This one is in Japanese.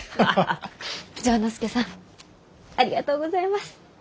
丈之助さんありがとうございます。